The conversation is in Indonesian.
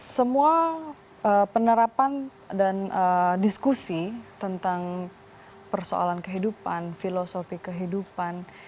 semua penerapan dan diskusi tentang persoalan kehidupan filosofi kehidupan